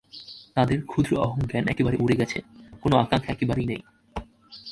তাঁদের ক্ষুদ্র অহংজ্ঞান একেবারে উড়ে গেছে, কোন আকাঙ্ক্ষা একেবারেই নেই।